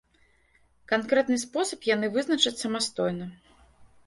Канкрэтны спосаб яны вызначаць самастойна.